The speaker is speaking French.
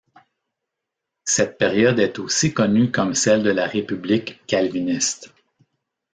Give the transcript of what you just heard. Cette période est aussi connue comme celle de la république calviniste.